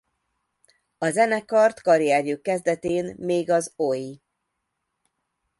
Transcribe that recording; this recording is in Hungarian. A zenekart karrierjük kezdetén még az Oi!